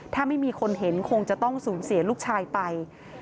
ถ้าไม่มีคนเห็นคงจะต้องสูญเสียลูกชายไป